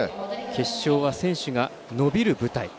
決勝は選手が伸びる舞台。